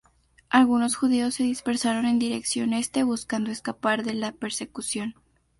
Algunos judíos se dispersaron en dirección este, buscando escapar de la persecución.